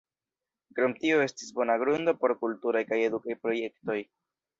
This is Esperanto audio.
Krom tio estis bona grundo por kulturaj kaj edukaj projektoj.